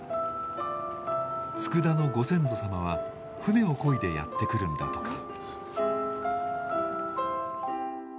佃のご先祖様は船をこいでやってくるんだとか。